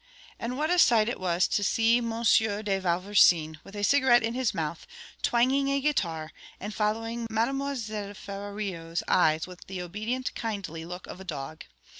And what a sight it was to see M. de Vauversin, with a cigarette in his mouth, twanging a guitar, and following Mademoiselle Ferrario's eyes with the obedient, kindly look of a dog!